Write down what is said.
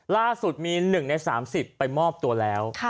ล่าสุดมี๑ใน๓๐ไปมอบตัวแล้ว